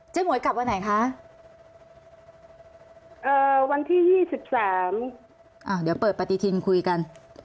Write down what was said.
หมวยกลับวันไหนคะเอ่อวันที่ยี่สิบสามอ่าเดี๋ยวเปิดปฏิทินคุยกัน